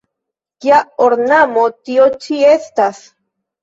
Kia ornamo tio ĉi estas?